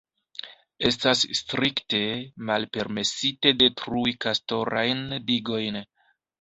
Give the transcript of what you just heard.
Estas strikte malpermesite detrui kastorajn digojn.